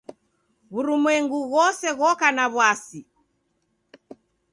W'urumwengu ghose ghoka na w'asi.